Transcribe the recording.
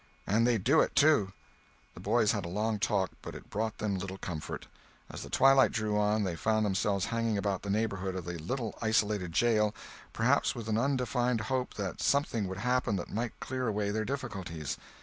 "And they'd do it, too." The boys had a long talk, but it brought them little comfort. As the twilight drew on, they found themselves hanging about the neighborhood of the little isolated jail, perhaps with an undefined hope that something would happen that might clear away their difficulties.